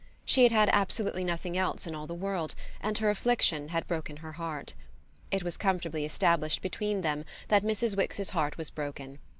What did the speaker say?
She had had absolutely nothing else in all the world, and her affliction had broken her heart. It was comfortably established between them that Mrs. Wix's heart was broken.